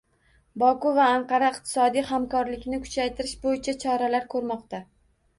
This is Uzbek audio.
Boku va Anqara iqtisodiy hamkorlikni kuchaytirish bo‘yicha choralar ko‘rmoqda